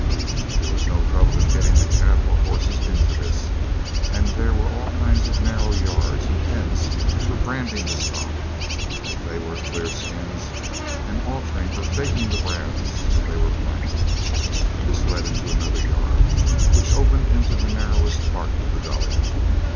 There was no trouble in getting the cattle or horses into this, and there were all kinds of narrow yards and pens for branding the stock if they were clearskins, and altering or 'faking' the brands if they were plain. This led into another yard, which opened into the narrowest part of the gully.